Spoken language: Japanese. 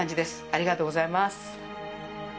ありがとうございます。